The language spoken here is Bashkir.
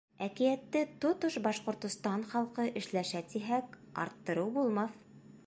Әкиәтте тотош Башҡортостан халҡы эшләшә тиһәк, арттырыу булмаҫ.